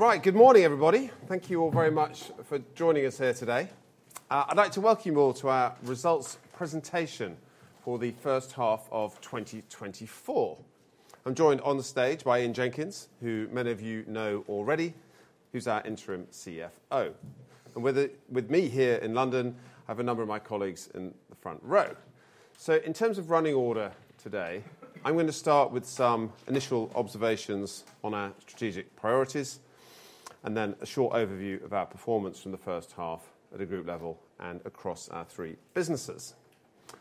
Right, good morning, everybody. Thank you all very much for joining us here today. I'd like to welcome you all to our results presentation for the first half of 2024. I'm joined on the stage by Ian Jenkins, who many of you know already, who's our Interim CFO. And with me here in London, I have a number of my colleagues in the front row. So, in terms of running order today, I'm going to start with some initial observations on our strategic priorities, and then a short overview of our performance from the first half at a group level and across our three businesses.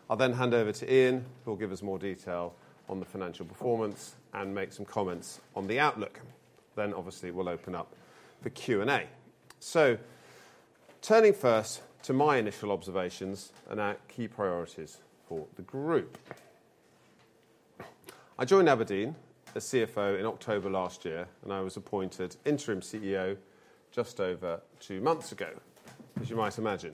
I'll then hand over to Ian, who will give us more detail on the financial performance and make some comments on the outlook. Then, obviously, we'll open up for Q&A. So, turning first to my initial observations and our key priorities for the group. I joined Aberdeen as CFO in October last year, and I was appointed interim CEO just over two months ago, as you might imagine.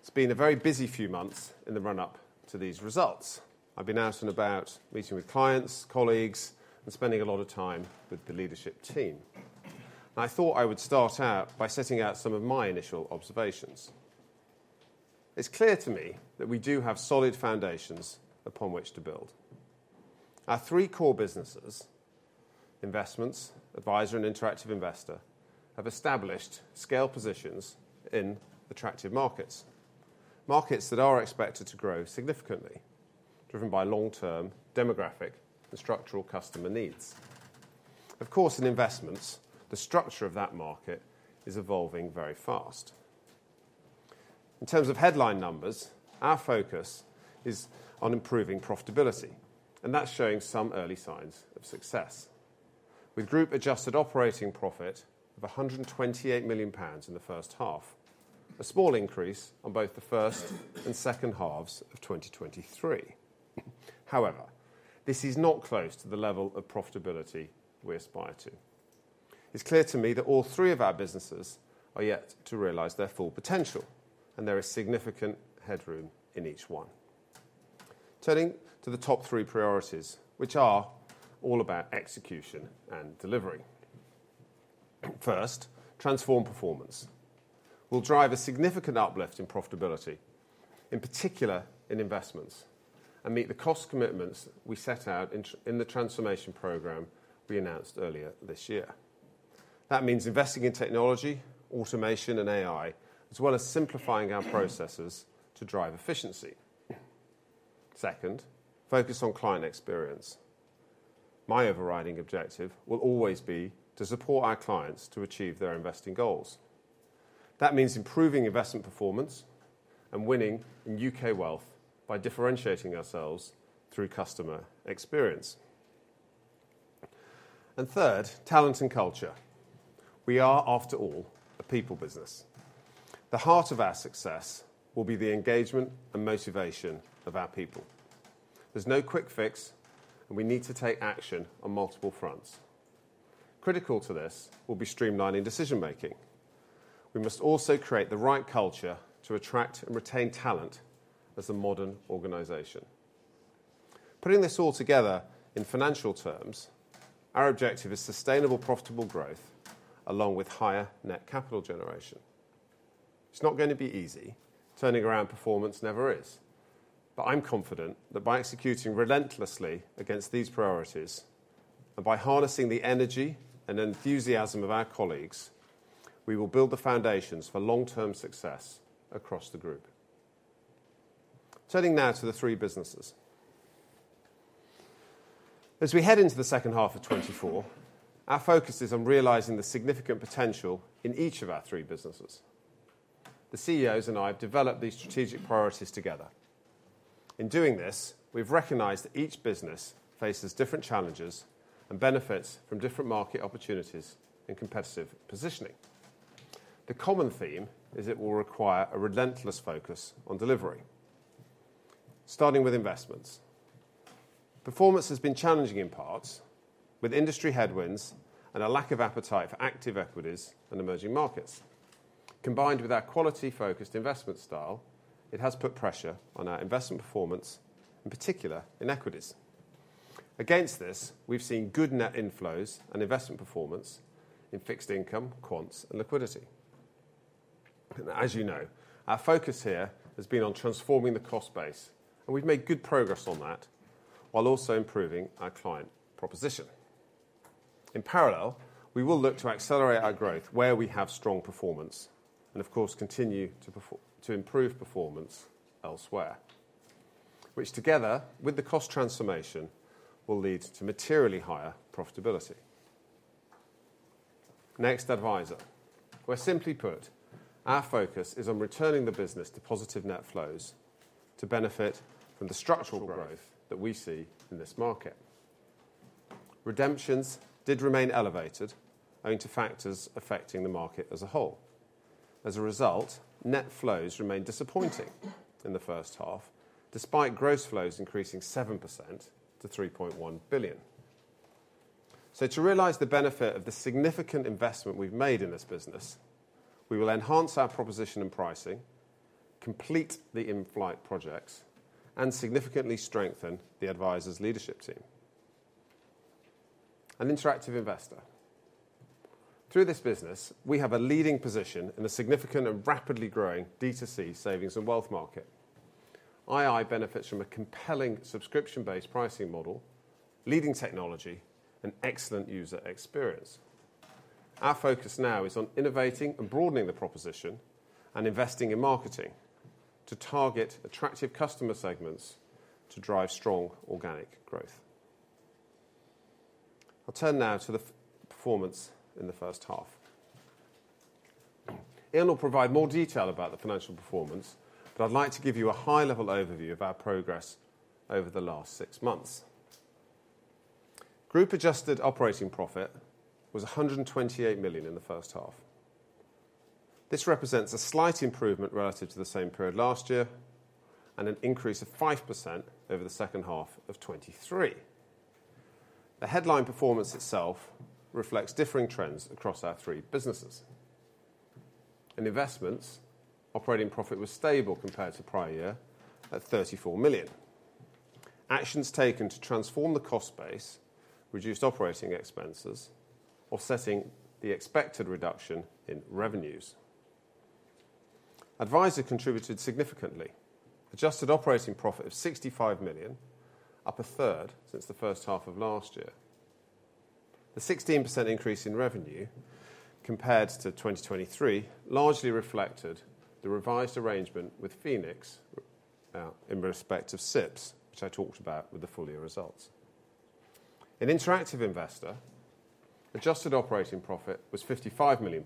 It's been a very busy few months in the run-up to these results. I've been out and about meeting with clients, colleagues, and spending a lot of time with the leadership team. I thought I would start out by setting out some of my initial observations. It's clear to me that we do have solid foundations upon which to build. Our three core businesses - Investments, Adviser, and Interactive Investor - have established scale positions in attractive markets, markets that are expected to grow significantly, driven by long-term demographic and structural customer needs. Of course, in Investments, the structure of that market is evolving very fast. In terms of headline numbers, our focus is on improving profitability, and that's showing some early signs of success, with Group-adjusted operating profit of 128 million pounds in the first half, a small increase on both the first and second halves of 2023. However, this is not close to the level of profitability we aspire to. It's clear to me that all three of our businesses are yet to realize their full potential, and there is significant headroom in each one. Turning to the top three priorities, which are all about execution and delivery. First, transform performance. We'll drive a significant uplift in profitability, in particular in Investments, and meet the cost commitments we set out in the transformation program we announced earlier this year. That means investing in technology, automation, and AI, as well as simplifying our processes to drive efficiency. Second, focus on client experience. My overriding objective will always be to support our clients to achieve their investing goals. That means improving investment performance and winning in UK wealth by differentiating ourselves through customer experience. Third, talent and culture. We are, after all, a people business. The heart of our success will be the engagement and motivation of our people. There's no quick fix, and we need to take action on multiple fronts. Critical to this will be streamlining decision-making. We must also create the right culture to attract and retain talent as a modern organization. Putting this all together in financial terms, our objective is sustainable profitable growth along with higher net capital generation. It's not going to be easy. Turning around performance never is. But I'm confident that by executing relentlessly against these priorities and by harnessing the energy and enthusiasm of our colleagues, we will build the foundations for long-term success across the group. Turning now to the three businesses. As we head into the second half of 2024, our focus is on realizing the significant potential in each of our three businesses. The CEOs and I have developed these strategic priorities together. In doing this, we've recognized that each business faces different challenges and benefits from different market opportunities and competitive positioning. The common theme is it will require a relentless focus on delivery. Starting with Investments. Performance has been challenging in parts, with industry headwinds and a lack of appetite for active equities and emerging markets. Combined with our quality-focused investment style, it has put pressure on our investment performance, in particular in equities. Against this, we've seen good net inflows and investment performance in fixed income, quants, and liquidity. As you know, our focus here has been on transforming the cost base, and we've made good progress on that while also improving our client proposition. In parallel, we will look to accelerate our growth where we have strong performance and, of course, continue to improve performance elsewhere, which together with the cost transformation will lead to materially higher profitability. Next, Adviser. Where simply put, our focus is on returning the business to positive net flows to benefit from the structural growth that we see in this market. Redemptions did remain elevated owing to factors affecting the market as a whole. As a result, net flows remained disappointing in the first half, despite gross flows increasing 7% to 3.1 billion. To realize the benefit of the significant investment we've made in this business, we will enhance our proposition and pricing, complete the in-flight projects, and significantly strengthen the Adviser's leadership team. Interactive Investor. Through this business, we have a leading position in a significant and rapidly growing D2C savings and wealth market. II benefits from a compelling subscription-based pricing model, leading technology, and excellent user experience. Our focus now is on innovating and broadening the proposition and investing in marketing to target attractive customer segments to drive strong organic growth. I'll turn now to the performance in the first half. Ian will provide more detail about the financial performance, but I'd like to give you a high-level overview of our progress over the last six months. Group-adjusted operating profit was 128 million in the first half. This represents a slight improvement relative to the same period last year and an increase of 5% over the second half of 2023. The headline performance itself reflects differing trends across our three businesses. In Investments, operating profit was stable compared to prior year at £34 million. Actions taken to transform the cost base reduced operating expenses, offsetting the expected reduction in revenues. Adviser contributed significantly, adjusted operating profit of £65 million, up a third since the first half of last year. The 16% increase in revenue compared to 2023 largely reflected the revised arrangement with Phoenix in respect of SIPPs, which I talked about with the full year results. In Interactive Investor, adjusted operating profit was £55 million.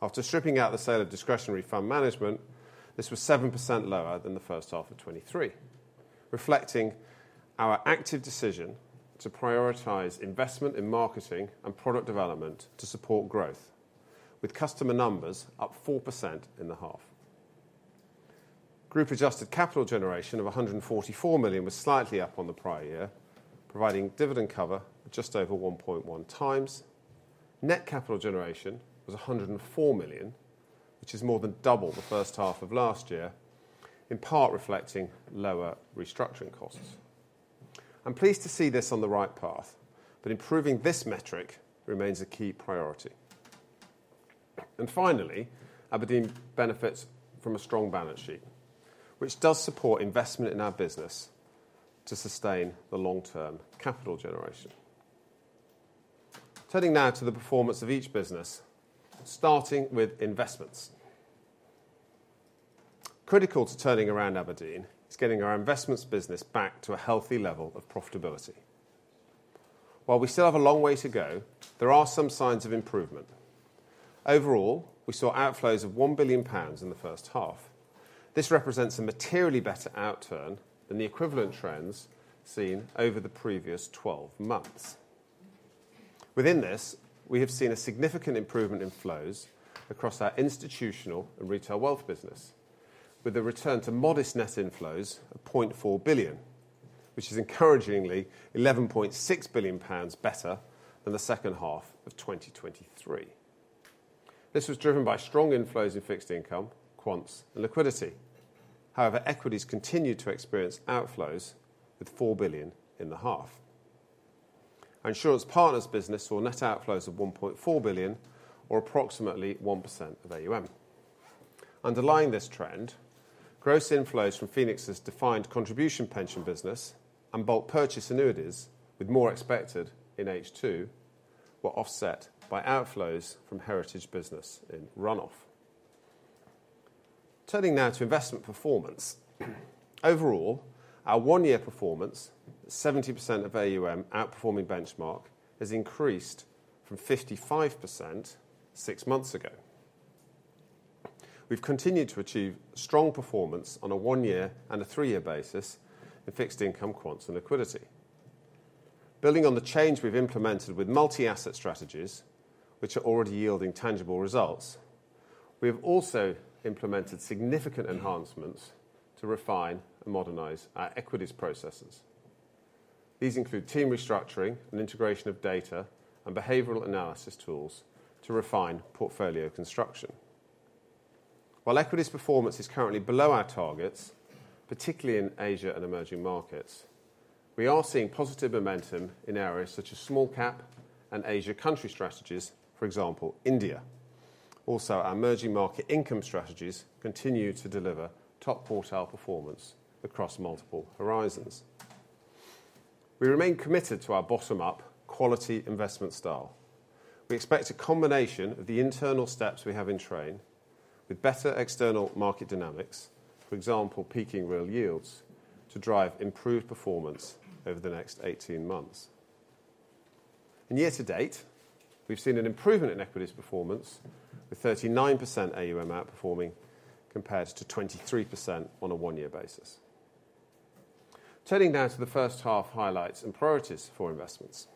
After stripping out the sale of discretionary fund management, this was 7% lower than the first half of 2023, reflecting our active decision to prioritize investment in marketing and product development to support growth, with customer numbers up 4% in the half. Group-adjusted capital generation of 144 million was slightly up on the prior year, providing dividend cover just over 1.1 times. Net capital generation was 104 million, which is more than double the first half of last year, in part reflecting lower restructuring costs. I'm pleased to see this on the right path, but improving this metric remains a key priority. Finally, Aberdeen benefits from a strong balance sheet, which does support investment in our business to sustain the long-term capital generation. Turning now to the performance of each business, starting with Investments. Critical to turning around Aberdeen is getting our investments business back to a healthy level of profitability. While we still have a long way to go, there are some signs of improvement. Overall, we saw outflows of 1 billion pounds in the first half. This represents a materially better outturn than the equivalent trends seen over the previous 12 months. Within this, we have seen a significant improvement in flows across our institutional and retail wealth business, with a return to modest net inflows of 0.4 billion, which is encouragingly 11.6 billion pounds better than the second half of 2023. This was driven by strong inflows in fixed income, quants, and liquidity. However, equities continued to experience outflows with 4 billion in the half. Insurance Partners business saw net outflows of 1.4 billion, or approximately 1% of AUM. Underlying this trend, gross inflows from Phoenix's defined contribution pension business and bulk purchase annuities, with more expected in H2, were offset by outflows from heritage business in run-off. Turning now to investment performance. Overall, our one-year performance, 70% of AUM outperforming benchmark, has increased from 55% six months ago. We've continued to achieve strong performance on a one-year and a three-year basis in fixed income, quants, and liquidity. Building on the change we've implemented with multi-asset strategies, which are already yielding tangible results, we have also implemented significant enhancements to refine and modernize our equities processes. These include team restructuring and integration of data and behavioral analysis tools to refine portfolio construction. While equities performance is currently below our targets, particularly in Asia and emerging markets, we are seeing positive momentum in areas such as small-cap and Asia country strategies, for example, India. Also, our emerging market income strategies continue to deliver top quartile performance across multiple horizons. We remain committed to our bottom-up quality investment style. We expect a combination of the internal steps we have in train with better external market dynamics, for example, peaking real yields, to drive improved performance over the next 18 months. Year to date, we've seen an improvement in equities performance with 39% AUM outperforming compared to 23% on a one-year basis. Turning now to the first half highlights and priorities for Investments.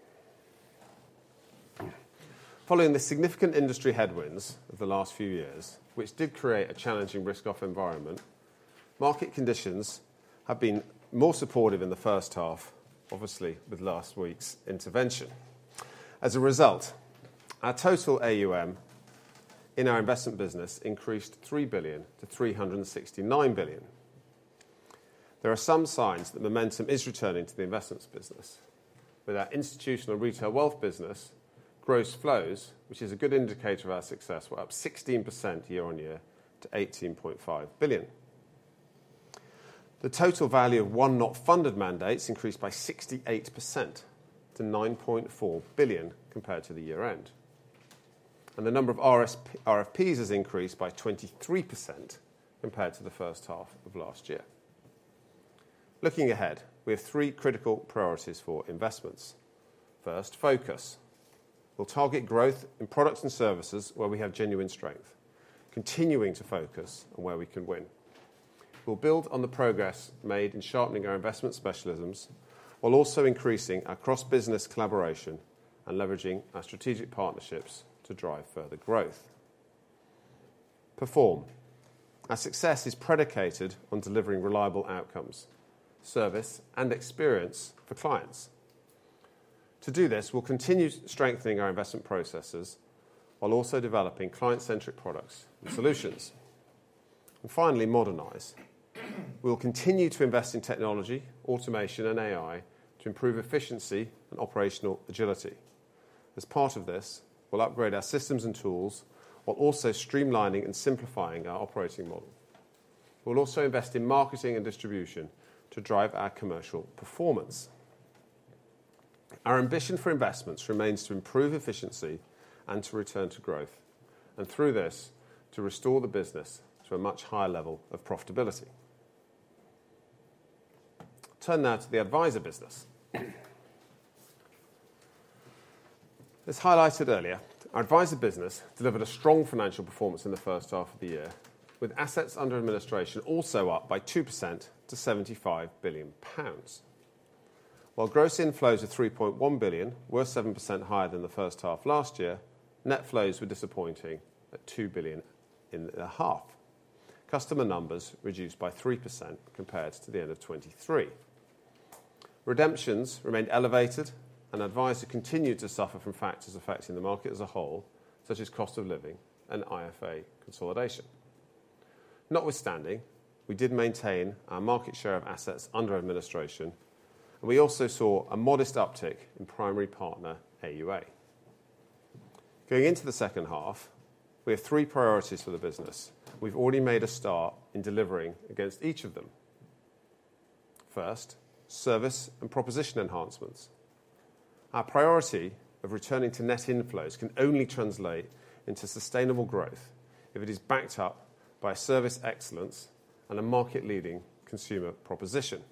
Following the significant industry headwinds of the last few years, which did create a challenging risk-off environment, market conditions have been more supportive in the first half, obviously with last week's intervention. As a result, our total AUM in our investment business increased £3 billion to £369 billion. There are some signs that momentum is returning to the investments business. With our institutional retail wealth business, gross flows, which is a good indicator of our success, were up 16% year-over-year to 18.5 billion. The total value of won-not-funded mandates increased by 68% to 9.4 billion compared to the year-end. The number of RFPs has increased by 23% compared to the first half of last year. Looking ahead, we have three critical priorities for Investments. First, focus. We'll target growth in products and services where we have genuine strength, continuing to focus on where we can win. We'll build on the progress made in sharpening our investment specialisms while also increasing our cross-business collaboration and leveraging our strategic partnerships to drive further growth. Perform. Our success is predicated on delivering reliable outcomes, service, and experience for clients. To do this, we'll continue strengthening our investment processes while also developing client-centric products and solutions. Finally, modernize. We'll continue to invest in technology, automation, and AI to improve efficiency and operational agility. As part of this, we'll upgrade our systems and tools while also streamlining and simplifying our operating model. We'll also invest in marketing and distribution to drive our commercial performance. Our ambition for Investments remains to improve efficiency and to return to growth, and through this, to restore the business to a much higher level of profitability. Turn now to the Adviser business. As highlighted earlier, our Adviser business delivered a strong financial performance in the first half of the year, with assets under administration also up by 2% to 75 billion pounds. While gross inflows of 3.1 billion were 7% higher than the first half last year, net flows were disappointing at 2.5 billion. Customer numbers reduced by 3% compared to the end of 2023. Redemptions remained elevated, and Adviser continued to suffer from factors affecting the market as a whole, such as cost of living and IFA consolidation. Notwithstanding, we did maintain our market share of assets under administration, and we also saw a modest uptick in primary partner AUA. Going into the second half, we have three priorities for the business, and we've already made a start in delivering against each of them. First, service and proposition enhancements. Our priority of returning to net inflows can only translate into sustainable growth if it is backed up by service excellence and a market-leading consumer proposition.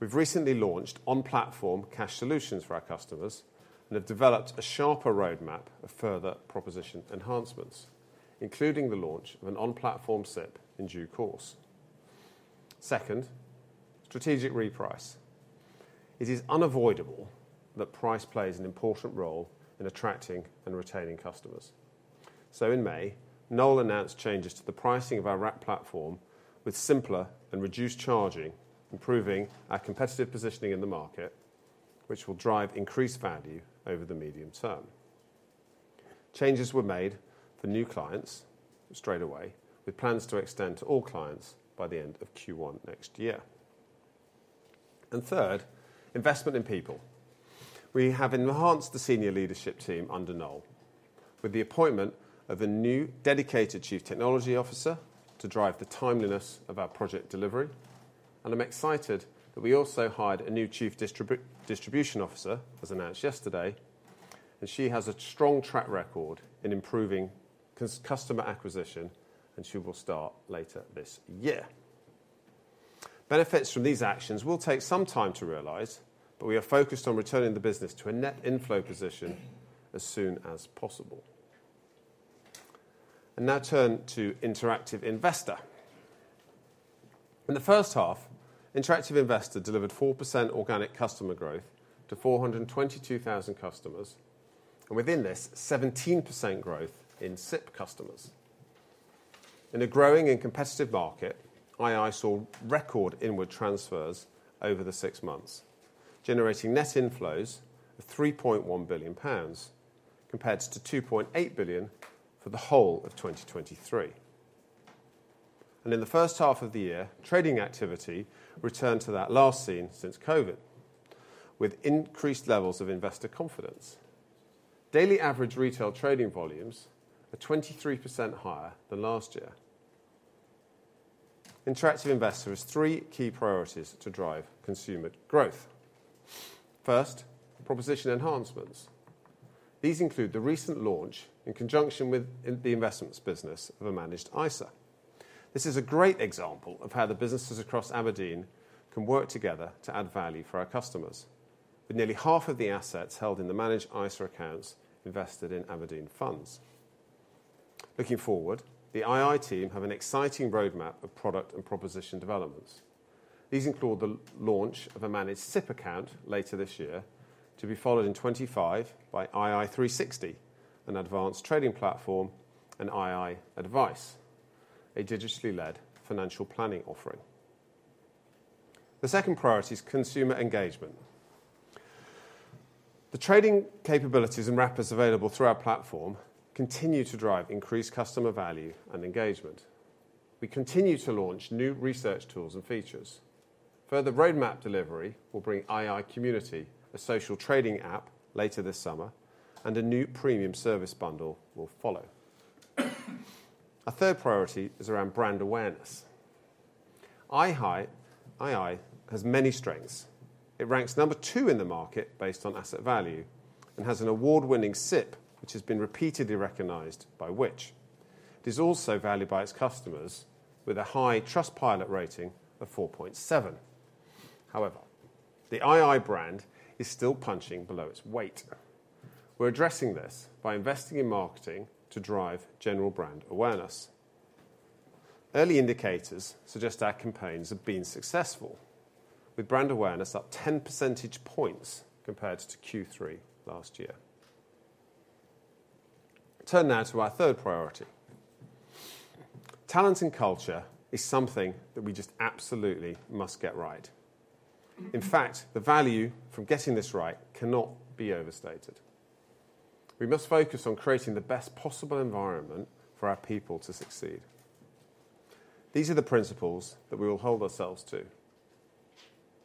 We've recently launched on-platform cash solutions for our customers and have developed a sharper roadmap of further proposition enhancements, including the launch of an on-platform SIPP in due course. Second, strategic reprice. It is unavoidable that price plays an important role in attracting and retaining customers. So, in May, Noel announced changes to the pricing of our Wrap platform with simpler and reduced charging, improving our competitive positioning in the market, which will drive increased value over the medium term. Changes were made for new clients straight away, with plans to extend to all clients by the end of Q1 next year. And third, investment in people. We have enhanced the senior leadership team under Noel with the appointment of a new dedicated Chief Technology Officer to drive the timeliness of our project delivery. And I'm excited that we also hired a new Chief Distribution Officer, as announced yesterday, and she has a strong track record in improving customer acquisition, and she will start later this year. Benefits from these actions will take some time to realize, but we are focused on returning the business to a net inflow position as soon as possible. Now turn to Interactive Investor. In the first half, Interactive Investor delivered 4% organic customer growth to 422,000 customers, and within this, 17% growth in SIPP customers. In a growing and competitive market, II saw record inward transfers over the six months, generating net inflows of 3.1 billion pounds compared to 2.8 billion for the whole of 2023. In the first half of the year, trading activity returned to that last seen since COVID, with increased levels of investor confidence. Daily average retail trading volumes are 23% higher than last year. Interactive Investor has three key priorities to drive consumer growth. First, proposition enhancements. These include the recent launch in conjunction with the investments business of a Managed ISA. This is a great example of how the businesses across Aberdeen can work together to add value for our customers, with nearly half of the assets held in the managed ISA accounts invested in Aberdeen funds. Looking forward, the II team have an exciting roadmap of product and proposition developments. These include the launch of a managed SIPP account later this year to be followed in 2025 by II360, an advanced trading platform and II Advice, a digitally-led financial planning offering. The second priority is consumer engagement. The trading capabilities and wrappers available through our platform continue to drive increased customer value and engagement. We continue to launch new research tools and features. Further roadmap delivery will bring II Community, a social trading app later this summer, and a new premium service bundle will follow. Our third priority is around brand awareness. II has many strengths. It ranks number two in the market based on asset value and has an award-winning SIPP, which has been repeatedly recognized by Which?. It is also valued by its customers with a high Trustpilot rating of 4.7. However, the ii brand is still punching below its weight. We're addressing this by investing in marketing to drive general brand awareness. Early indicators suggest our campaigns have been successful, with brand awareness up 10 percentage points compared to Q3 last year. Turn now to our third priority. Talent and culture is something that we just absolutely must get right. In fact, the value from getting this right cannot be overstated. We must focus on creating the best possible environment for our people to succeed. These are the principles that we will hold ourselves to.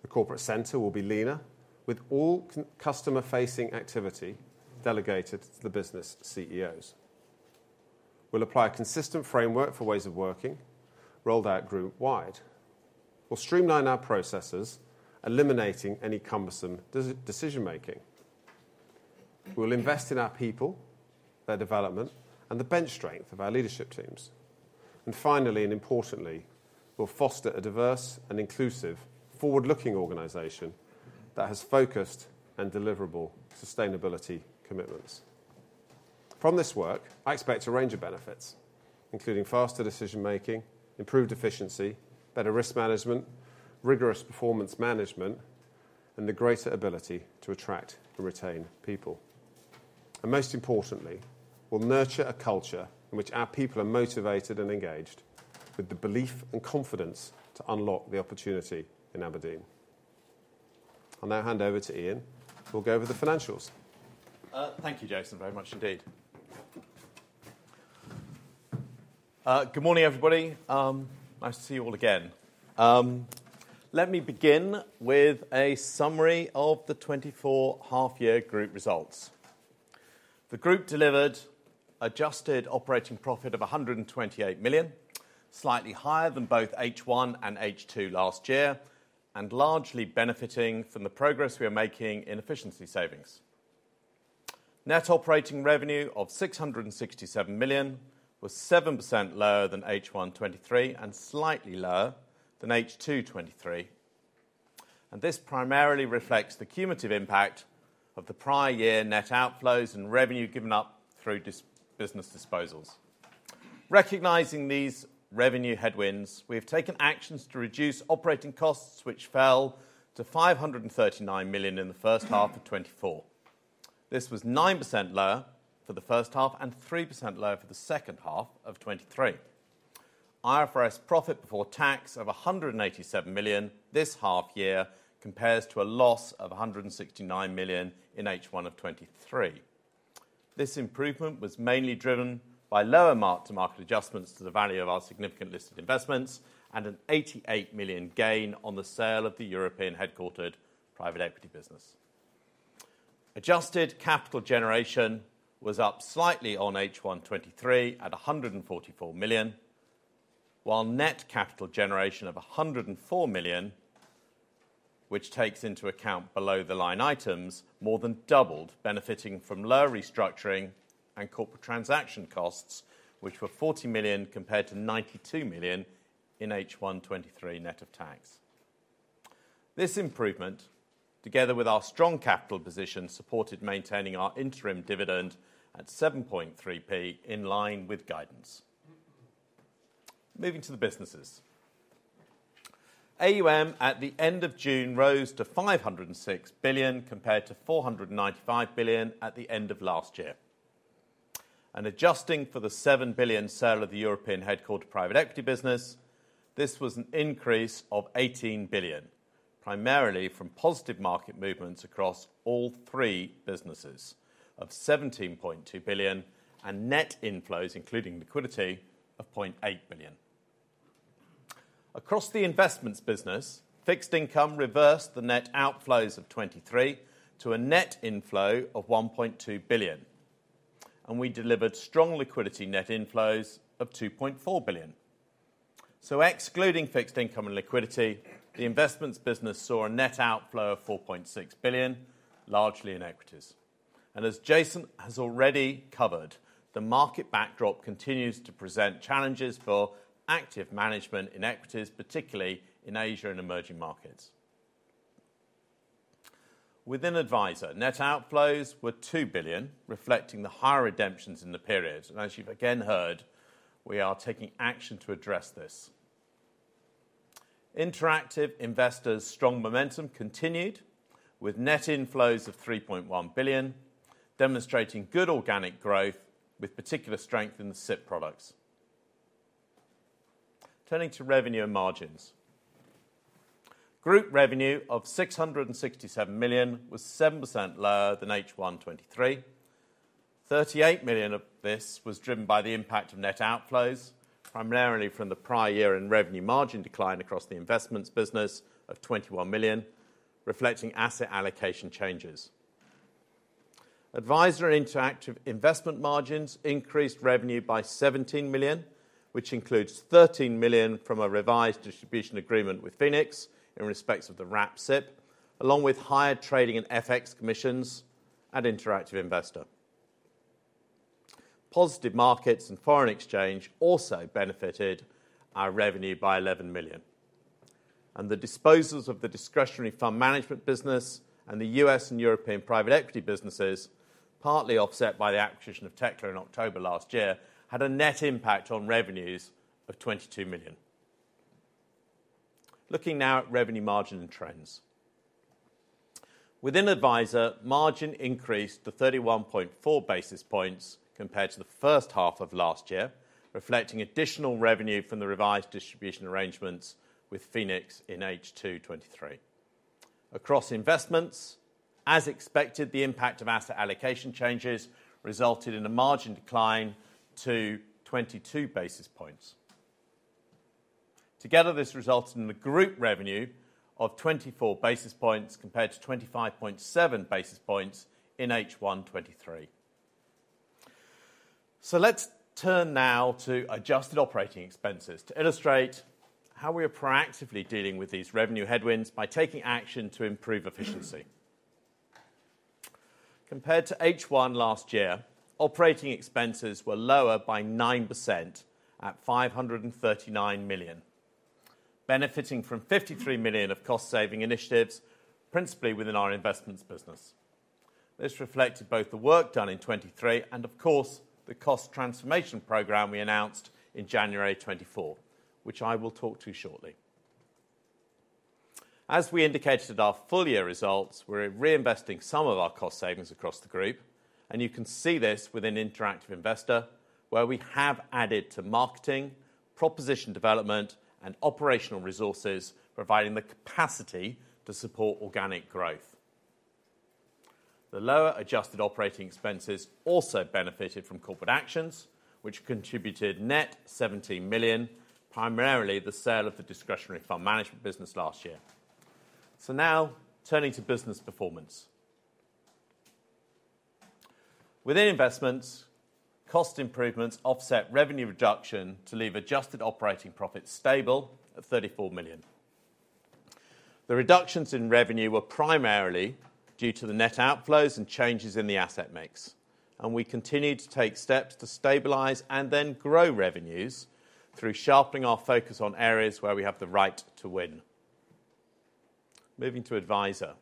The corporate center will be leaner, with all customer-facing activity delegated to the business CEOs. We'll apply a consistent framework for ways of working, rolled out group-wide. We'll streamline our processes, eliminating any cumbersome decision-making. We'll invest in our people, their development, and the bench strength of our leadership teams. And finally, and importantly, we'll foster a diverse and inclusive, forward-looking organization that has focused and deliverable sustainability commitments. From this work, I expect a range of benefits, including faster decision-making, improved efficiency, better risk management, rigorous performance management, and the greater ability to attract and retain people. And most importantly, we'll nurture a culture in which our people are motivated and engaged with the belief and confidence to unlock the opportunity in Aberdeen. I'll now hand over to Ian. We'll go over the financials. Thank you, Jason, very much indeed. Good morning, everybody. Nice to see you all again. Let me begin with a summary of the 2024 half-year group results. The group delivered adjusted operating profit of £128 million, slightly higher than both H1 and H2 last year, and largely benefiting from the progress we are making in efficiency savings. Net operating revenue of £667 million was 7% lower than H1/2023 and slightly lower than H2/2023. This primarily reflects the cumulative impact of the prior year net outflows and revenue given up through business disposals. Recognizing these revenue headwinds, we have taken actions to reduce operating costs, which fell to £539 million in the first half of 2024. This was 9% lower for the first half and 3% lower for the second half of 2023. IFRS profit before tax of £187 million this half year compares to a loss of £169 million in H1 of 2023. This improvement was mainly driven by lower mark-to-market adjustments to the value of our significant listed investments and an £88 million gain on the sale of the European-headquartered private equity business. Adjusted capital generation was up slightly on H1/23 at £144 million, while net capital generation of £104 million, which takes into account below-the-line items, more than doubled, benefiting from low restructuring and corporate transaction costs, which were £40 million compared to £92 million in H1/23 net of tax. This improvement, together with our strong capital position, supported maintaining our interim dividend at 7.3p, in line with guidance. Moving to the businesses. AUM at the end of June rose to £506 billion compared to £495 billion at the end of last year. Adjusting for the 7 billion sale of the European-headquartered private equity business, this was an increase of 18 billion, primarily from positive market movements across all three businesses of 17.2 billion and net inflows, including liquidity, of 0.8 billion. Across the investments business, fixed income reversed the net outflows of 2023 to a net inflow of 1.2 billion, and we delivered strong liquidity net inflows of 2.4 billion. Excluding fixed income and liquidity, the investments business saw a net outflow of 4.6 billion, largely in equities. As Jason has already covered, the market backdrop continues to present challenges for active management in equities, particularly in Asia and emerging markets. Within Adviser, net outflows were 2 billion, reflecting the higher redemptions in the period. As you've again heard, we are taking action to address this. Interactive Investor's strong momentum continued, with net inflows of £3.1 billion, demonstrating good organic growth, with particular strength in the SIPP products. Turning to revenue and margins. Group revenue of £667 million was 7% lower than H1 2023. £38 million of this was driven by the impact of net outflows, primarily from the prior year in revenue margin decline across the investments business of £21 million, reflecting asset allocation changes. Adviser and Interactive Investor margins increased revenue by £17 million, which includes £13 million from a revised distribution agreement with Phoenix in respect of the Wrap SIPP, along with higher trading and FX commissions at Interactive Investor. Positive markets and foreign exchange also benefited our revenue by £11 million. The disposals of the discretionary fund management business and the U.S. and European private equity businesses, partly offset by the acquisition of Tekla in October last year, had a net impact on revenues of 22 million. Looking now at revenue margin and trends. Within Adviser, margin increased to 31.4 basis points compared to the first half of last year, reflecting additional revenue from the revised distribution arrangements with Phoenix in H2 2023. Across investments, as expected, the impact of asset allocation changes resulted in a margin decline to 22 basis points. Together, this resulted in a group revenue of 24 basis points compared to 25.7 basis points in H1 2023. Let's turn now to adjusted operating expenses to illustrate how we are proactively dealing with these revenue headwinds by taking action to improve efficiency. Compared to H1 last year, operating expenses were lower by 9% at £539 million, benefiting from £53 million of cost-saving initiatives, principally within our investments business. This reflected both the work done in 2023 and, of course, the cost transformation program we announced in January 2024, which I will talk to shortly. As we indicated at our full year results, we're reinvesting some of our cost savings across the group, and you can see this within Interactive Investor, where we have added to marketing, proposition development, and operational resources, providing the capacity to support organic growth. The lower adjusted operating expenses also benefited from corporate actions, which contributed net £17 million, primarily the sale of the discretionary fund management business last year. So now, turning to business performance. Within investments, cost improvements offset revenue reduction to leave adjusted operating profit stable at £34 million. The reductions in revenue were primarily due to the net outflows and changes in the asset mix, and we continued to take steps to stabilize and then grow revenues through sharpening our focus on areas where we have the right to win. Moving to Adviser,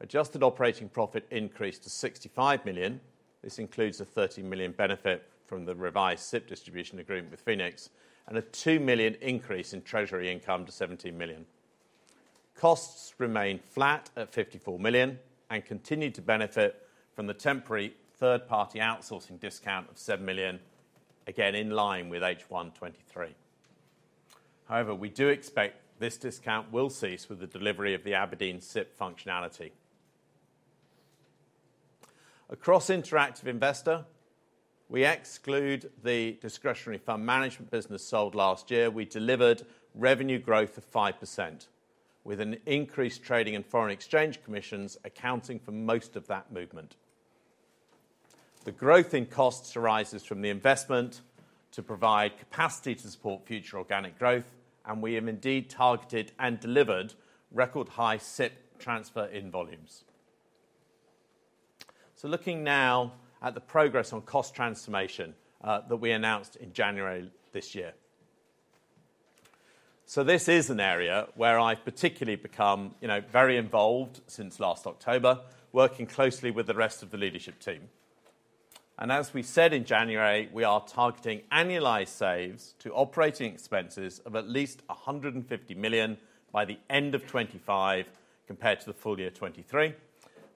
adjusted operating profit increased to 65 million. This includes a 30 million benefit from the revised SIPP distribution agreement with Phoenix and a 2 million increase in treasury income to 17 million. Costs remained flat at 54 million and continued to benefit from the temporary third-party outsourcing discount of 7 million, again in line with H1/23. However, we do expect this discount will cease with the delivery of the Aberdeen SIPP functionality. Across Interactive Investor, we exclude the discretionary fund management business sold last year, we delivered revenue growth of 5%, with an increased trading and foreign exchange commissions accounting for most of that movement. The growth in costs arises from the investment to provide capacity to support future organic growth, and we have indeed targeted and delivered record-high SIPP transfer-in volumes. Looking now at the progress on cost transformation that we announced in January this year. This is an area where I've particularly become very involved since last October, working closely with the rest of the leadership team. As we said in January, we are targeting annualized saves to operating expenses of at least 150 million by the end of 2025 compared to the full year 2023,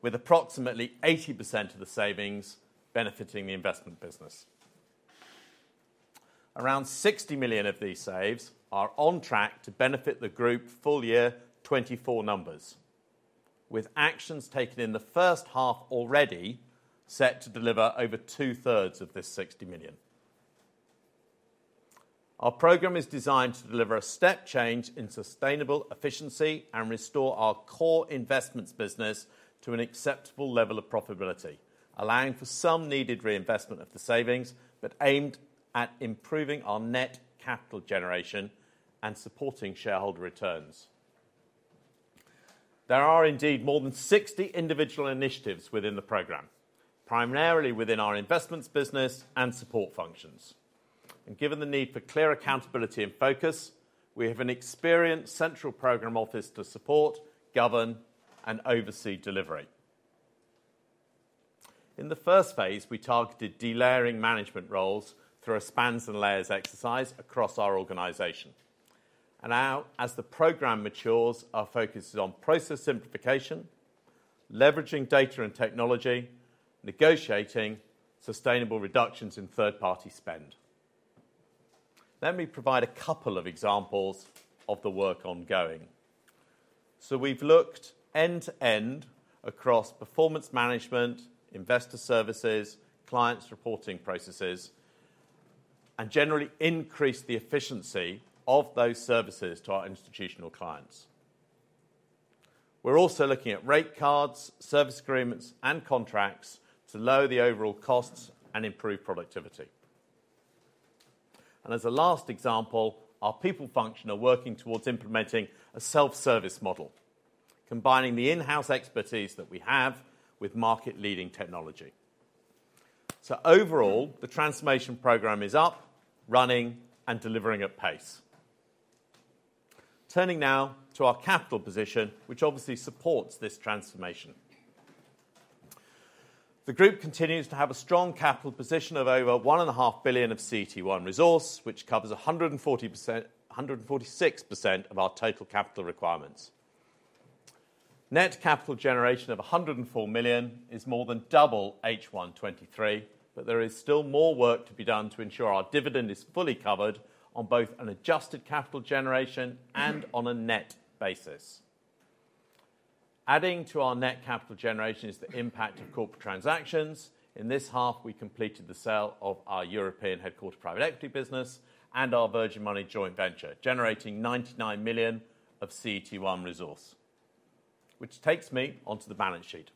with approximately 80% of the savings benefiting the investment business. Around 60 million of these saves are on track to benefit the group full year 2024 numbers, with actions taken in the first half already set to deliver over two-thirds of this 60 million. Our program is designed to deliver a step change in sustainable efficiency and restore our core investments business to an acceptable level of profitability, allowing for some needed reinvestment of the savings, but aimed at improving our net capital generation and supporting shareholder returns. There are indeed more than 60 individual initiatives within the program, primarily within our investments business and support functions. Given the need for clear accountability and focus, we have an experienced central program office to support, govern, and oversee delivery. In the first phase, we targeted delayering management roles through a spans and layers exercise across our organization. Now, as the program matures, our focus is on process simplification, leveraging data and technology, negotiating sustainable reductions in third-party spend. Let me provide a couple of examples of the work ongoing. So we've looked end-to-end across performance management, investor services, clients' reporting processes, and generally increased the efficiency of those services to our institutional clients. We're also looking at rate cards, service agreements, and contracts to lower the overall costs and improve productivity. And as a last example, our people function are working towards implementing a self-service model, combining the in-house expertise that we have with market-leading technology. So overall, the transformation program is up, running, and delivering at pace. Turning now to our capital position, which obviously supports this transformation. The group continues to have a strong capital position of over £1.5 billion of CET1 resource, which covers 146% of our total capital requirements. Net capital generation of £104 million is more than double H1/23, but there is still more work to be done to ensure our dividend is fully covered on both an adjusted capital generation and on a net basis. Adding to our net capital generation is the impact of corporate transactions. In this half, we completed the sale of our European-headquartered private equity business and our Virgin Money joint venture, generating £99 million of CET1 resource, which takes me onto the balance sheet.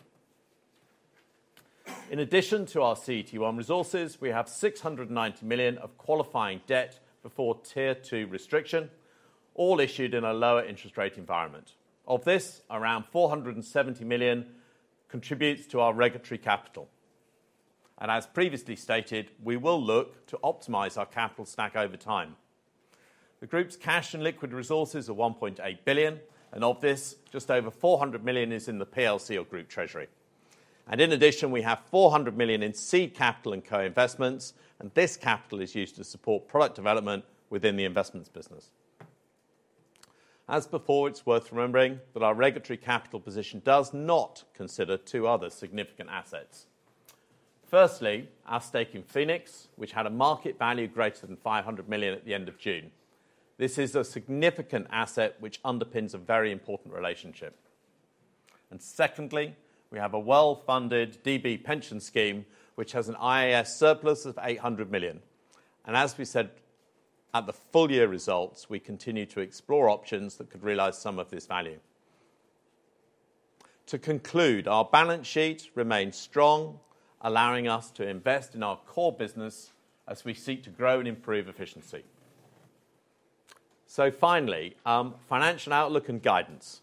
In addition to our CET1 resources, we have £690 million of qualifying debt before tier two restriction, all issued in a lower interest rate environment. Of this, around £470 million contributes to our regulatory capital. As previously stated, we will look to optimize our capital stack over time. The group's cash and liquid resources are 1.8 billion, and of this, just over 400 million is in the PLC or group treasury. In addition, we have 400 million in seed capital and co-investments, and this capital is used to support product development within the investments business. As before, it's worth remembering that our regulatory capital position does not consider two other significant assets. Firstly, our stake in Phoenix, which had a market value greater than 500 million at the end of June. This is a significant asset which underpins a very important relationship. Secondly, we have a well-funded DB pension scheme, which has an IAS surplus of 800 million. As we said at the full year results, we continue to explore options that could realize some of this value. To conclude, our balance sheet remains strong, allowing us to invest in our core business as we seek to grow and improve efficiency. So finally, financial outlook and guidance.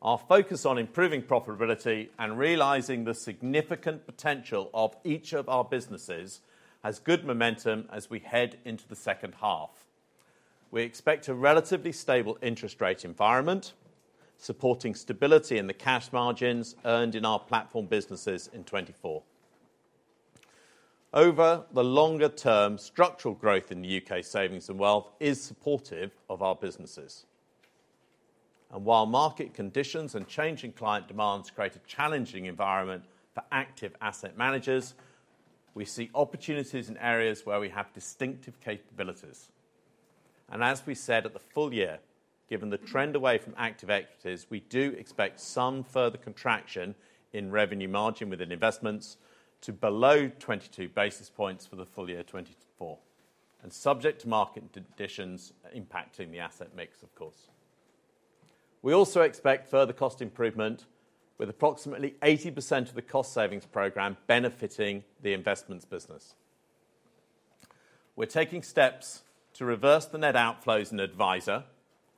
Our focus on improving profitability and realizing the significant potential of each of our businesses has good momentum as we head into the second half. We expect a relatively stable interest rate environment, supporting stability in the cash margins earned in our platform businesses in 2024. Over the longer term, structural growth in the U.K. savings and wealth is supportive of our businesses. And while market conditions and changing client demands create a challenging environment for active asset managers, we see opportunities in areas where we have distinctive capabilities. As we said at the full year, given the trend away from active equities, we do expect some further contraction in revenue margin within investments to below 22 basis points for the full year 2024, and subject to market additions impacting the asset mix, of course. We also expect further cost improvement, with approximately 80% of the cost savings program benefiting the investments business. We're taking steps to reverse the net outflows in Adviser,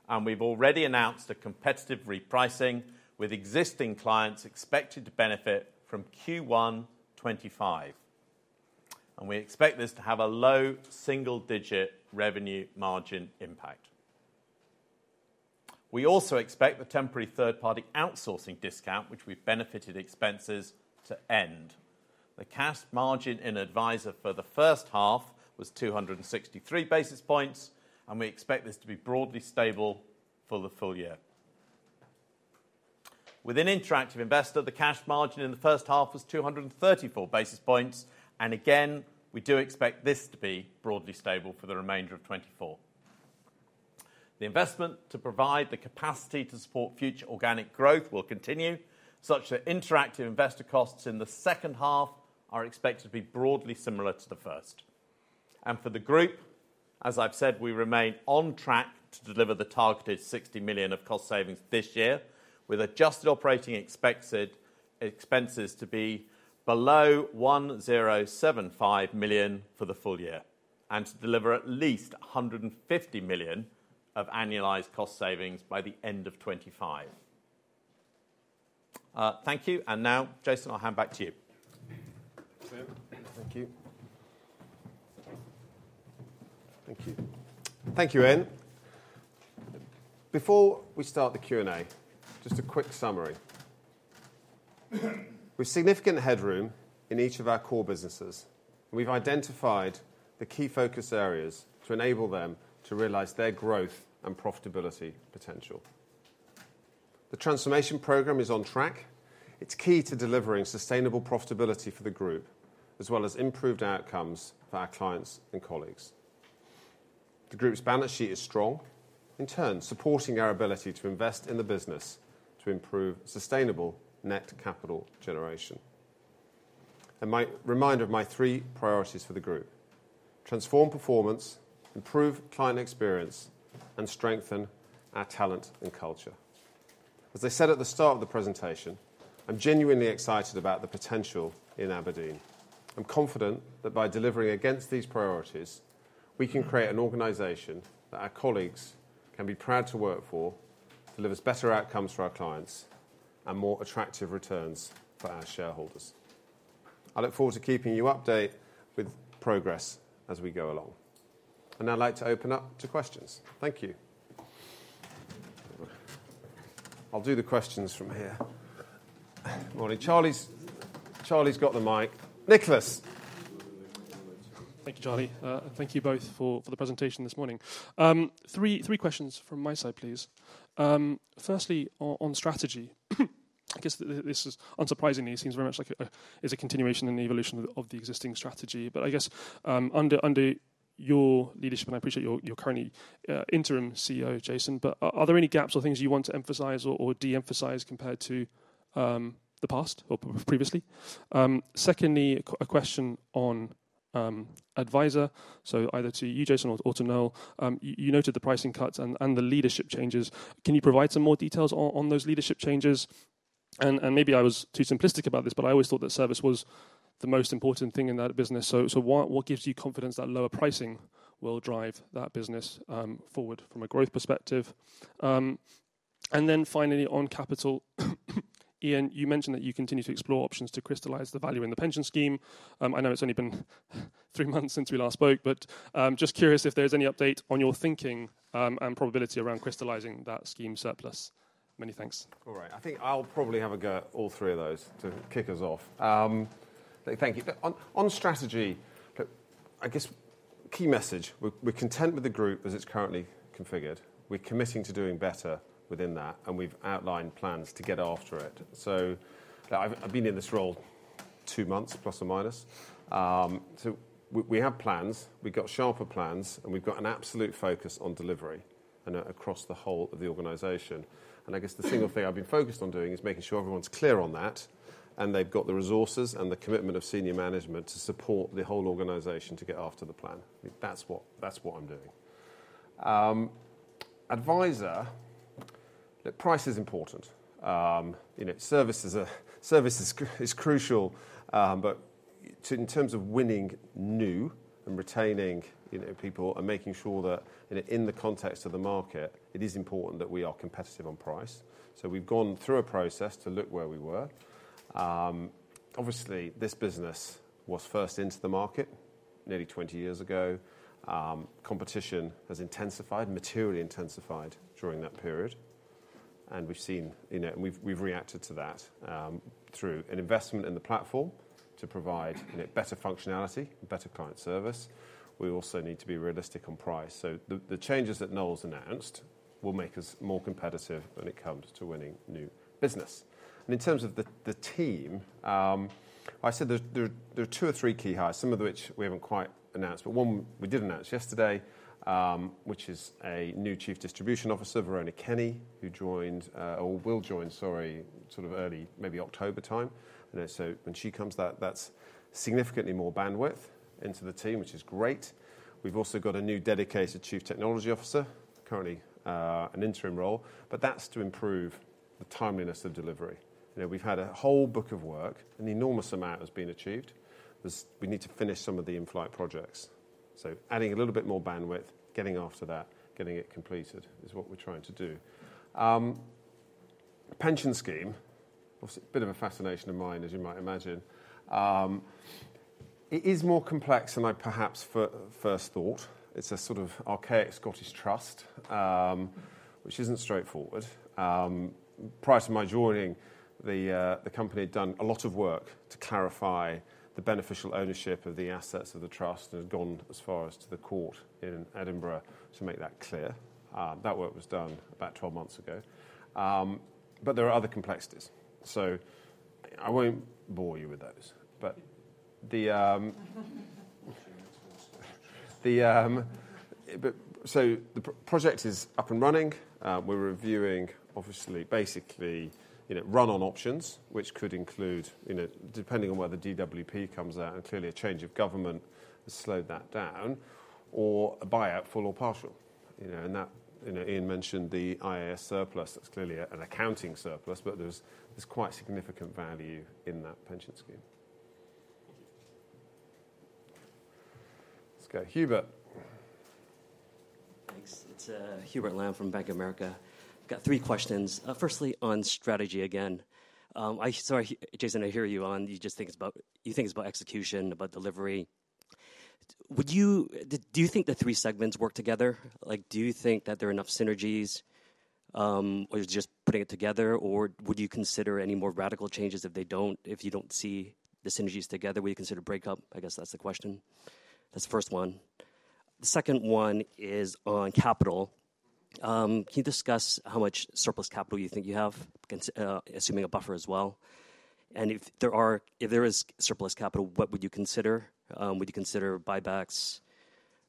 and we've already announced a competitive repricing with existing clients expected to benefit from Q1/2025. We expect this to have a low single-digit revenue margin impact. We also expect the temporary third-party outsourcing discount, which we've benefited expenses to end. The cash margin in Adviser for the first half was 263 basis points, and we expect this to be broadly stable for the full year. Within Interactive Investor, the cash margin in the first half was 234 basis points, and again, we do expect this to be broadly stable for the remainder of 2024. The investment to provide the capacity to support future organic growth will continue, such that Interactive Investor costs in the second half are expected to be broadly similar to the first. And for the group, as I've said, we remain on track to deliver the targeted 60 million of cost savings this year, with adjusted operating expenses to be below 1,075 million for the full year, and to deliver at least 150 million of annualized cost savings by the end of 2025. Thank you. And now, Jason, I'll hand back to you. Thank you. Thank you, Ian. Before we start the Q&A, just a quick summary. We have significant headroom in each of our core businesses, and we've identified the key focus areas to enable them to realize their growth and profitability potential. The transformation program is on track. It's key to delivering sustainable profitability for the group, as well as improved outcomes for our clients and colleagues. The group's balance sheet is strong, in turn supporting our ability to invest in the business to improve sustainable net capital generation. And my reminder of my three priorities for the group: transform performance, improve client experience, and strengthen our talent and culture. As I said at the start of the presentation, I'm genuinely excited about the potential in Aberdeen. I'm confident that by delivering against these priorities, we can create an organization that our colleagues can be proud to work for, delivers better outcomes for our clients, and more attractive returns for our shareholders. I look forward to keeping you updated with progress as we go along. I'd like to open up to questions. Thank you. I'll do the questions from here. Charlie's got the mic. Nicholas. Thank you, Charlie. Thank you both for the presentation this morning. Three questions from my side, please. Firstly, on strategy, I guess this is unsurprisingly, seems very much like it is a continuation and evolution of the existing strategy. But I guess under your leadership, and I appreciate your current interim CEO, Jason, but are there any gaps or things you want to emphasize or de-emphasize compared to the past or previously? Secondly, a question on Adviser. So either to you, Jason, or to Noel, you noted the pricing cuts and the leadership changes. Can you provide some more details on those leadership changes? Maybe I was too simplistic about this, but I always thought that service was the most important thing in that business. What gives you confidence that lower pricing will drive that business forward from a growth perspective? Then finally, on capital, Ian, you mentioned that you continue to explore options to crystallize the value in the pension scheme. I know it's only been three months since we last spoke, but just curious if there's any update on your thinking and probability around crystallizing that scheme surplus. Many thanks. All right. I think I'll probably have a go at all three of those to kick us off. Thank you. On strategy, I guess key message, we're content with the group as it's currently configured. We're committing to doing better within that, and we've outlined plans to get after it. So I've been in this role two months, plus or minus. So we have plans. We've got sharper plans, and we've got an absolute focus on delivery across the whole of the organization. And I guess the single thing I've been focused on doing is making sure everyone's clear on that, and they've got the resources and the commitment of senior management to support the whole organization to get after the plan. That's what I'm doing. Adviser, price is important. Service is crucial, but in terms of winning new and retaining people and making sure that in the context of the market, it is important that we are competitive on price. So we've gone through a process to look where we were. Obviously, this business was first into the market nearly 20 years ago. Competition has intensified, materially intensified during that period. We've seen and we've reacted to that through an investment in the platform to provide better functionality, better client service. We also need to be realistic on price. The changes that Noel’s announced will make us more competitive when it comes to winning new business. In terms of the team, I said there are two or three key hires, some of which we haven't quite announced, but one we did announce yesterday, which is a new Chief Distribution Officer, Verona Kenny, who joined or will join, sorry, sort of early, maybe October time. When she comes, that's significantly more bandwidth into the team, which is great. We've also got a new dedicated Chief Technology Officer, currently an interim role, but that's to improve the timeliness of delivery. We've had a whole book of work, an enormous amount has been achieved. We need to finish some of the in-flight projects. So adding a little bit more bandwidth, getting after that, getting it completed is what we're trying to do. Pension scheme, a bit of a fascination of mine, as you might imagine. It is more complex than I perhaps first thought. It's a sort of archaic Scottish trust, which isn't straightforward. Prior to my joining, the company had done a lot of work to clarify the beneficial ownership of the assets of the trust and has gone as far as to the court in Edinburgh to make that clear. That work was done about 12 months ago. But there are other complexities. So I won't bore you with those. But so the project is up and running. We're reviewing, obviously, basically run-on options, which could include, depending on where the DWP comes out, and clearly a change of government has slowed that down, or a buyout full or partial. And Ian mentioned the IAS surplus. That's clearly an accounting surplus, but there's quite significant value in that pension scheme. Let's go, Hubert. Thanks. It's Hubert Lam from Bank of America. I've got three questions. Firstly, on strategy again. Sorry, Jason, I hear you on. You just think it's about execution, about delivery. Do you think the three segments work together? Do you think that there are enough synergies, or is it just putting it together, or would you consider any more radical changes if you don't see the synergies together? Would you consider breakup? I guess that's the question. That's the first one. The second one is on capital. Can you discuss how much surplus capital you think you have, assuming a buffer as well? And if there is surplus capital, what would you consider? Would you consider buybacks,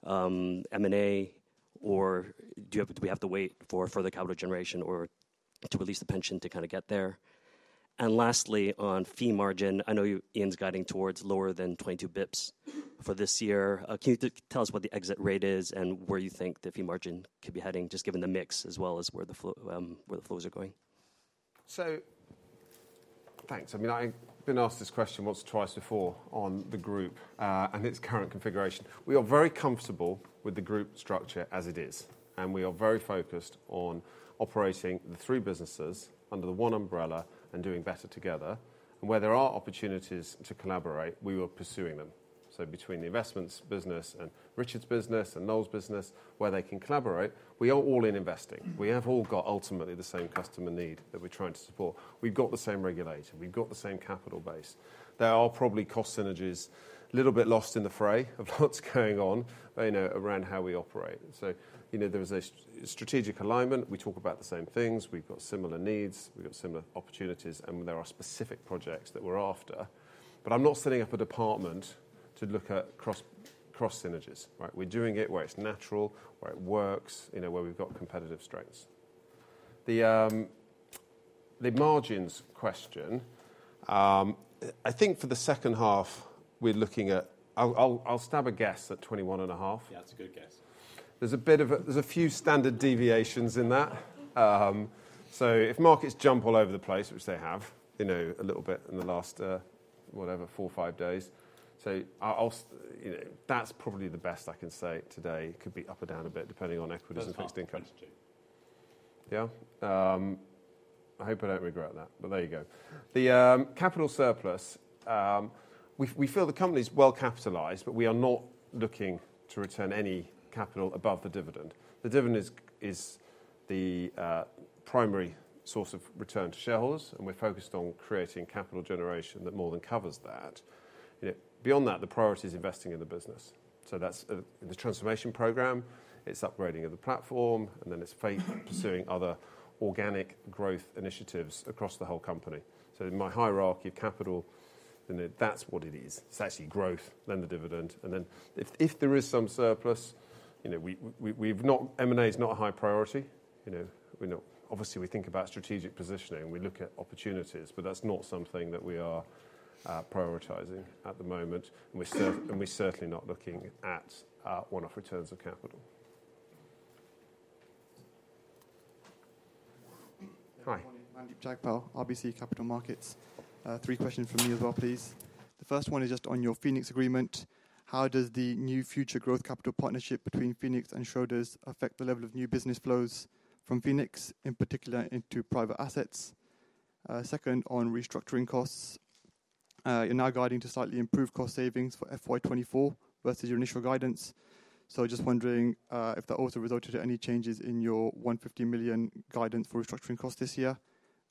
M&A, or do we have to wait for further capital generation or to release the pension to kind of get there? And lastly, on fee margin, I know Ian's guiding towards lower than 22 bps for this year. Can you tell us what the exit rate is and where you think the fee margin could be heading, just given the mix as well as where the flows are going? So thanks. I mean, I've been asked this question once or twice before on the group and its current configuration. We are very comfortable with the group structure as it is, and we are very focused on operating the three businesses under the one umbrella and doing better together. And where there are opportunities to collaborate, we are pursuing them. So between the investments business and Richard's business and Noel's business, where they can collaborate, we are all in investing. We have all got ultimately the same customer need that we're trying to support. We've got the same regulator. We've got the same capital base. There are probably cost synergies a little bit lost in the fray of what's going on around how we operate. So there was a strategic alignment. We talk about the same things. We've got similar needs. We've got similar opportunities, and there are specific projects that we're after. But I'm not setting up a department to look at cross synergies. We're doing it where it's natural, where it works, where we've got competitive strengths. The margins question, I think for the second half, we're looking at. I'll stab a guess at 21.5%. Yeah, that's a good guess. There's a few standard deviations in that. So if markets jump all over the place, which they have a little bit in the last, whatever, 4 or 5 days, so that's probably the best I can say today. It could be up or down a bit, depending on equities and fixed income. Yeah? I hope I don't regret that, but there you go. The capital surplus, we feel the company's well capitalized, but we are not looking to return any capital above the dividend. The dividend is the primary source of return to shareholders, and we're focused on creating capital generation that more than covers that. Beyond that, the priority is investing in the business. So that's the transformation program. It's upgrading of the platform, and then it's pursuing other organic growth initiatives across the whole company. So in my hierarchy of capital, that's what it is. It's actually growth, then the dividend. And then if there is some surplus, M&A is not a high priority. Obviously, we think about strategic positioning. We look at opportunities, but that's not something that we are prioritizing at the moment. And we're certainly not looking at one-off returns of capital. Hi. I'm Jagpal, RBC Capital Markets. Three questions from me as well, please. The first one is just on your Phoenix agreement. How does the new future growth capital partnership between Phoenix and Schroders affect the level of new business flows from Phoenix, in particular, into private assets? Second, on restructuring costs, you're now guiding to slightly improved cost savings for FY24 versus your initial guidance. So just wondering if that also resulted in any changes in your 150 million guidance for restructuring costs this year,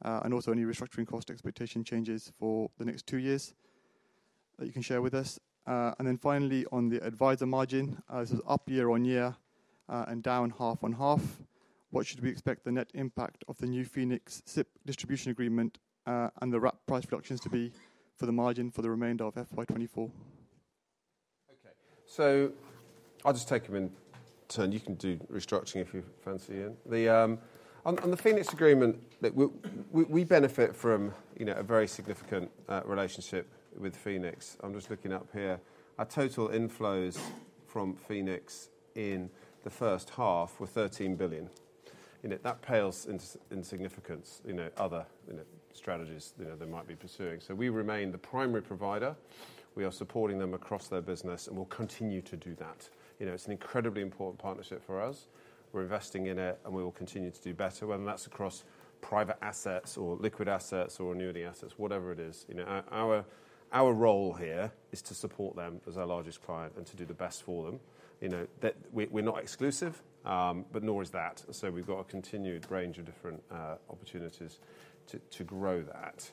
and also any restructuring cost expectation changes for the next two years that you can share with us. And then finally, on the Adviser margin, this is up year-on-year and down half-on-half. What should we expect the net impact of the new Phoenix SIPP distribution agreement and the Wrap price reductions to be for the margin for the remainder of FY 2024? Okay. So I'll just take a minute. You can do restructuring if you fancy, Ian. On the Phoenix agreement, we benefit from a very significant relationship with Phoenix. I'm just looking up here. Our total inflows from Phoenix in the first half were 13 billion. That pales in significance. Other strategies they might be pursuing. So we remain the primary provider. We are supporting them across their business, and we'll continue to do that. It's an incredibly important partnership for us. We're investing in it, and we will continue to do better, whether that's across private assets or liquid assets or annuity assets, whatever it is. Our role here is to support them as our largest client and to do the best for them. We're not exclusive, but nor is that. So we've got a continued range of different opportunities to grow that.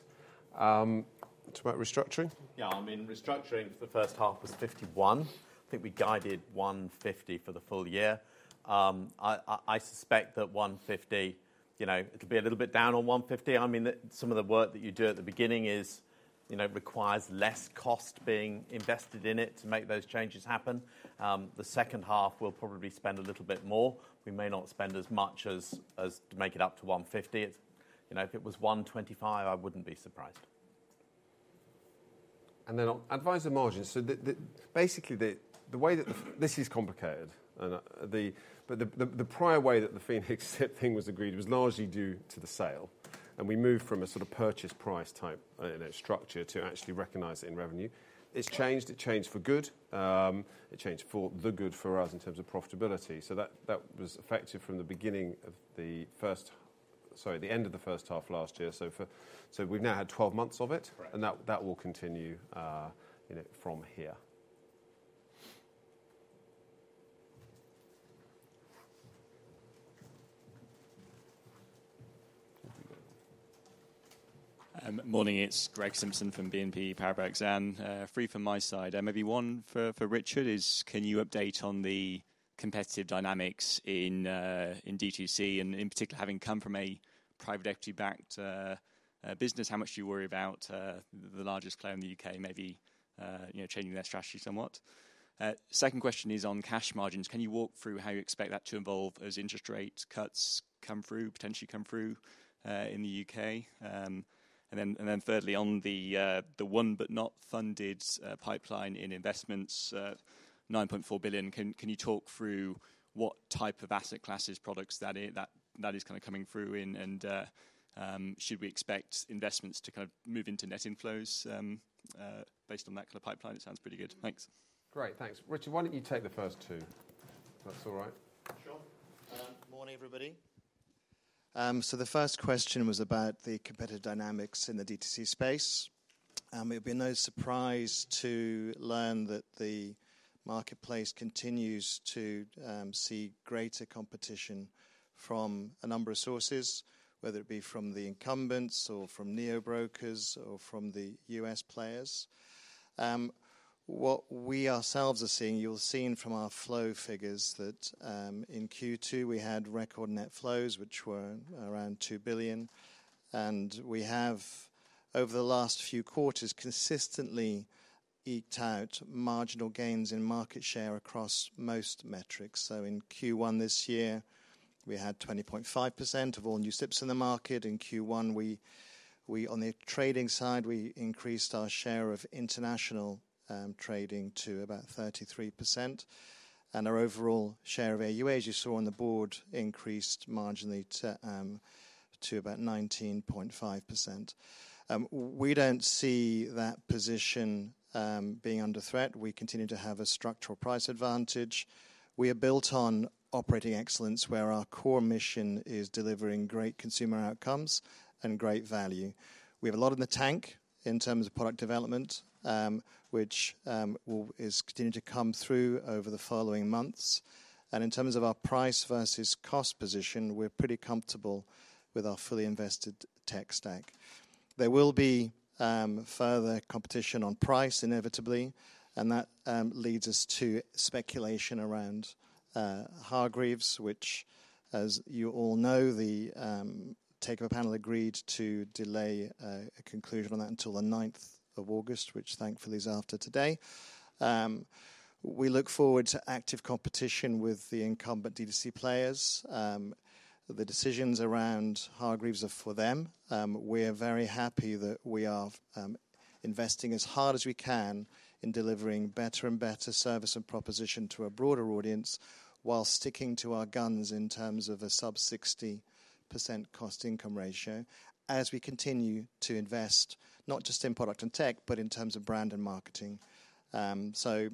Too much restructuring? Yeah. I mean, restructuring for the first half was £51. I think we guided £150 for the full year. I suspect that £150, it'll be a little bit down on £150. I mean, some of the work that you do at the beginning requires less cost being invested in it to make those changes happen. The second half, we'll probably spend a little bit more. We may not spend as much as to make it up to £150. If it was £125, I wouldn't be surprised. And then on advisor margins, so basically, the way that this is complicated, but the prior way that the Phoenix SIPP thing was agreed was largely due to the sale. And we moved from a sort of purchase price type structure to actually recognize it in revenue. It's changed. It changed for good. It changed for the good for us in terms of profitability. So that was effective from the beginning of the end of the first half last year. So we've now had 12 months of it, and that will continue from here. Morning. It's Greg Simpson from BNP Paribas Exane. And three from my side. Maybe one for Richard is, can you update on the competitive dynamics in DTC, and in particular, having come from a private equity-backed business, how much do you worry about the largest player in the UK maybe changing their strategy somewhat? Second question is on cash margins. Can you walk through how you expect that to evolve as interest rate cuts come through, potentially come through in the UK? And then thirdly, on the won-but-not-funded pipeline in investments, £9.4 billion, can you talk through what type of asset classes, products that is kind of coming through, and should we expect investments to kind of move into net inflows based on that kind of pipeline? It sounds pretty good. Thanks. Great. Thanks. Richard, why don't you take the first two? That's all right. Sure. Morning, everybody. So the first question was about the competitive dynamics in the DTC space. We've been no surprise to learn that the marketplace continues to see greater competition from a number of sources, whether it be from the incumbents or from neo brokers or from the U.S. players. What we ourselves are seeing, you'll have seen from our flow figures that in Q2, we had record net flows, which were around £2 billion. And we have, over the last few quarters, consistently eked out marginal gains in market share across most metrics. So in Q1 this year, we had 20.5% of all new SIPPs in the market. In Q1, on the trading side, we increased our share of international trading to about 33%. And our overall share of AUA, as you saw on the board, increased marginally to about 19.5%. We don't see that position being under threat. We continue to have a structural price advantage. We are built on operating excellence where our core mission is delivering great consumer outcomes and great value. We have a lot in the tank in terms of product development, which is continuing to come through over the following months. In terms of our price versus cost position, we're pretty comfortable with our fully invested tech stack. There will be further competition on price, inevitably, and that leads us to speculation around Hargreaves, which, as you all know, the Takeover Panel agreed to delay a conclusion on that until the 9th of August, which thankfully is after today. We look forward to active competition with the incumbent DTC players. The decisions around Hargreaves are for them. We are very happy that we are investing as hard as we can in delivering better and better service and proposition to a broader audience while sticking to our guns in terms of a sub-60% cost-income ratio as we continue to invest, not just in product and tech, but in terms of brand and marketing. So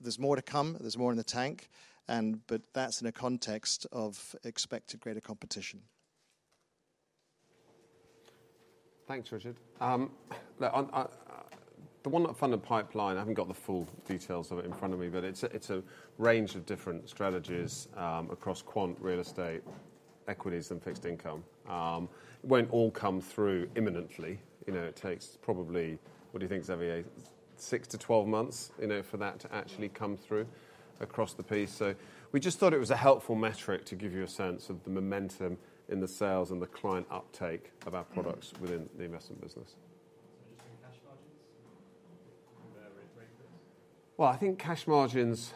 there's more to come. There's more in the tank, but that's in a context of expected greater competition. Thanks, Richard. The unfunded pipeline, I haven't got the full details of it in front of me, but it's a range of different strategies across quant real estate, equities, and fixed income. It won't all come through imminently. It takes probably, what do you think, Xavier, 6-12 months for that to actually come through across the piece. So we just thought it was a helpful metric to give you a sense of the momentum in the sales and the client uptake of our products within the investment business. So just in cash margins, where are we at right now? Well, I think cash margins,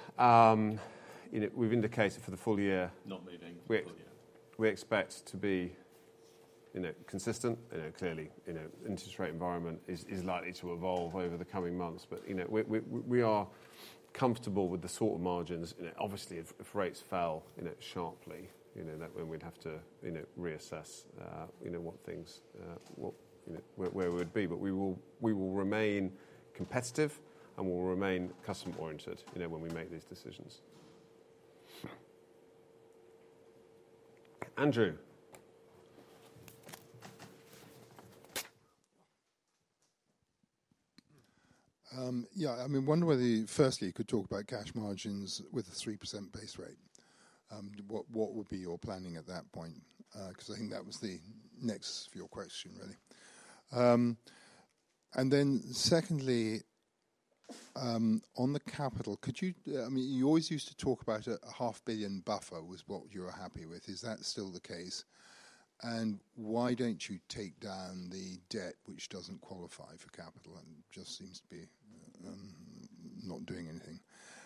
we've indicated for the full year. Not moving for the full year. We expect to be consistent. Clearly, the interest rate environment is likely to evolve over the coming months, but we are comfortable with the sort of margins. Obviously, if rates fell sharply, that's when we'd have to reassess where we would be, but we will remain competitive and we'll remain customer-oriented when we make these decisions. Andrew. Yeah. I mean, I wonder whether, firstly, you could talk about cash margins with a 3% base rate. What would be your planning at that point? Because I think that was the next of your question, really. And then secondly, on the capital, I mean, you always used to talk about a 500 million buffer was what you were happy with. Is that still the case? And why don't you take down the debt which doesn't qualify for capital and just seems to be not doing anything?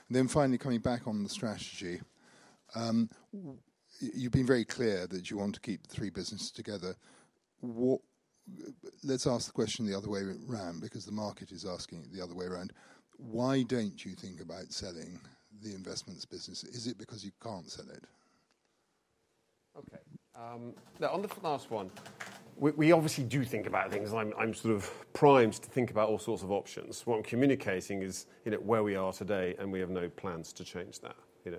And then finally, coming back on the strategy, you've been very clear that you want to keep the three businesses together. Let's ask the question the other way around because the market is asking it the other way around. Why don't you think about selling the investments business? Is it because you can't sell it? Okay. Now, on the last one, we obviously do think about things, and I'm sort of primed to think about all sorts of options. What I'm communicating is where we are today, and we have no plans to change that.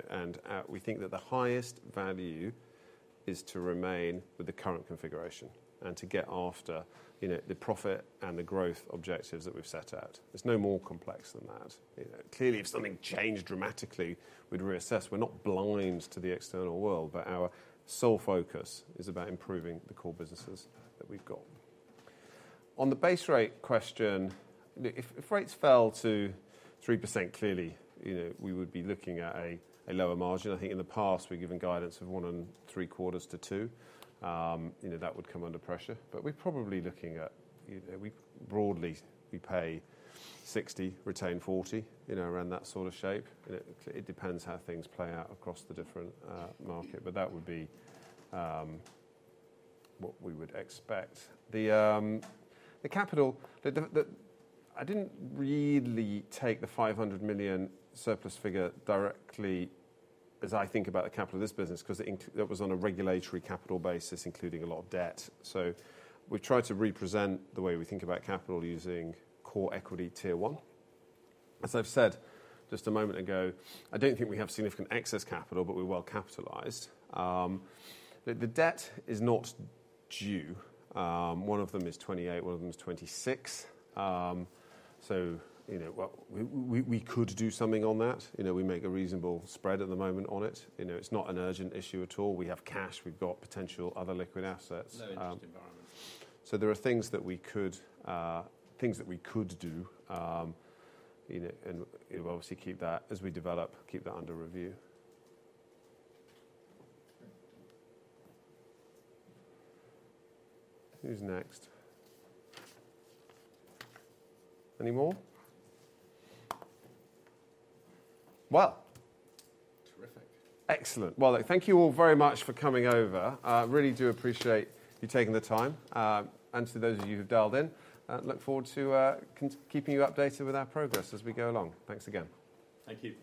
And we think that the highest value is to remain with the current configuration and to get after the profit and the growth objectives that we've set out. It's no more complex than that. Clearly, if something changed dramatically, we'd reassess. We're not blind to the external world, but our sole focus is about improving the core businesses that we've got. On the base rate question, if rates fell to 3%, clearly, we would be looking at a lower margin. I think in the past, we're given guidance of 1.75-2. That would come under pressure. But we're probably looking at broadly, we pay 60, retain 40, around that sort of shape. It depends how things play out across the different market, but that would be what we would expect. The capital, I didn't really take the 500 million surplus figure directly as I think about the capital of this business because that was on a regulatory capital basis, including a lot of debt. So we've tried to represent the way we think about capital using Common Equity Tier 1. As I've said just a moment ago, I don't think we have significant excess capital, but we're well capitalized. The debt is not due. One of them is 28. One of them is 26. So we could do something on that. We make a reasonable spread at the moment on it. It's not an urgent issue at all. We have cash. We've got potential other liquid assets. No interest environment. So there are things that we could do, and we'll obviously keep that as we develop, keep that under review. Who's next? Any more? Well. Terrific. Excellent. Well, thank you all very much for coming over. Really do appreciate you taking the time. To those of you who've dialed in, look forward to keeping you updated with our progress as we go along. Thanks again. Thank you.